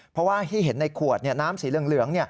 เพราะว่าที่เห็นในขวดน้ำสีเหลือง